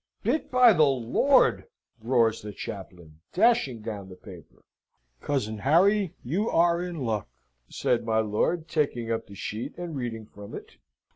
"Bit, by the Lord!" roars the chaplain, dashing down the paper. "Cousin Harry, you are in luck," said my lord, taking up the sheet, and reading from it.